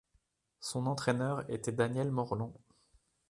Son entraîneur était Daniel Morelon.